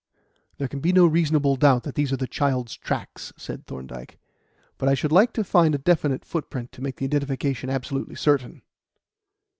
"There can be no reasonable doubt that these are the child's tracks," said Thorndyke; "but I should like to find a definite footprint to make the identification absolutely certain."